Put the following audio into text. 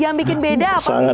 yang bikin beda apa